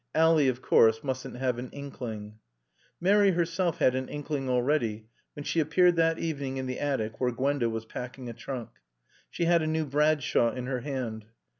Ally, of course, mustn't have an inkling. Mary herself had an inkling already when she appeared that evening in the attic where Gwenda was packing a trunk. She had a new Bradshaw in her hand.